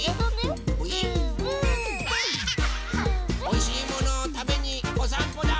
おいしいものをたべにおさんぽだ。